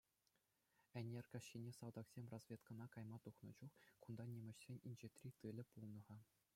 Ӗнер каҫхине, салтаксем разведкӑна кайма тухнӑ чух, кунта нимӗҫсен инҫетри тылӗ пулнӑ-ха.